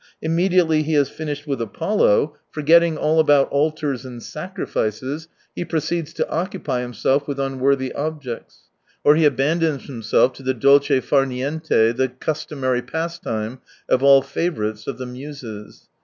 Im mediately he has finished with Apollo, 149 forgetting all about altars and sacrifices, he proceeds to occupy himself with unworthy objects. Or he abandons himself to the dolce far nunte, the customary pastime of all favourites of the Muses.